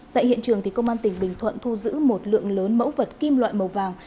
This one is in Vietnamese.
tại hiện trường công an tỉnh bình thuận thu giữ một lượng lớn mẫu vật kim loại màu vàng